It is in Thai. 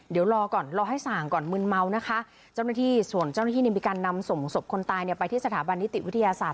ที่สวนเจ้าหน้าที่นิมพิการนำสมศพคนตายไปที่สถาบันนิติวิทยาศาสตร์